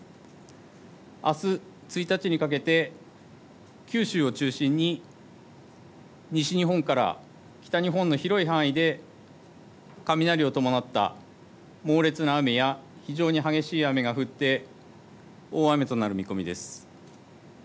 あす１日にかけて九州を中心に西日本から北日本の広い範囲で雷を伴った猛烈な雨や非常に激しい雨が降って大雨となる見込みです。